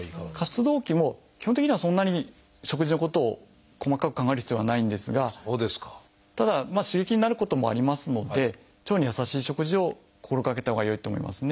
活動期も基本的にはそんなに食事のことを細かく考える必要はないんですがただ刺激になることもありますので腸に優しい食事を心がけたほうがよいと思いますね。